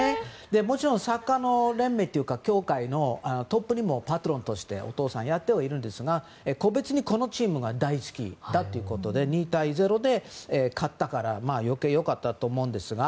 もちろんサッカー連盟のトップにもパトロンとしてお父さんやってるんですがこのチームが大好きだということで２対０で勝ったから良かったと思うんですが。